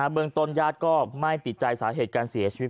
เมืองต้นญาติก็ไม่ติดใจสาเหตุการเสียชีวิต